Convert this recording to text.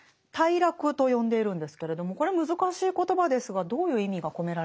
「頽落」と呼んでいるんですけれどもこれ難しい言葉ですがどういう意味が込められているんでしょうか？